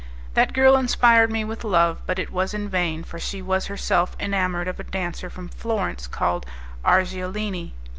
That girl inspired me with love, but it was in vain, for she was herself enamoured of a dancer from Florence, called Argiolini.